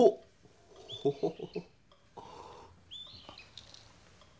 ホホホホ。